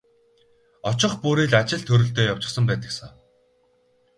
Очих бүрий л ажил төрөлтэй явчихсан байдаг сан.